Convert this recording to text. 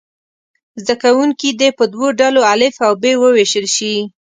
زده کوونکي دې په دوو ډلو الف او ب وویشل شي.